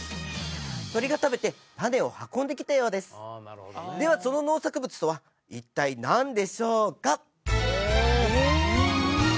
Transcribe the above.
鳥が食べて種を運んできたようですではその農作物とは一体何でしょうか？